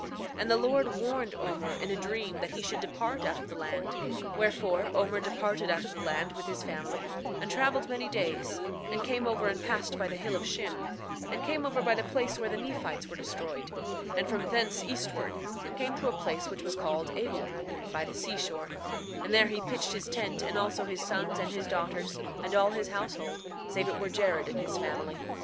9:3 And the Lord warned Omer in a dream that he should depart out of the land; wherefore Omer departed out of the land with his family, and traveled many days, and came over and passed by the hill of Shim, and came over by the place where the Nephites were destroyed, and from thence eastward, and came to a place which was called Ablom, by the seashore, and there he pitched his tent, and also his sons and his daughters, and all his household, save it were Jared and his family.